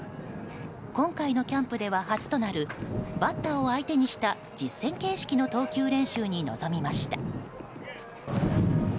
今回のキャンプでは初となるバッターを相手にした実戦形式の投球練習に臨みました。